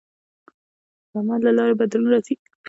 د عمل له لارې بدلون راځي.